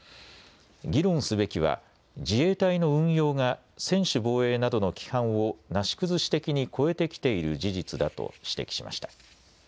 議論すべきは自衛隊の運用が専守防衛などの規範をなし崩し的に超えてきている事実だと指摘しました。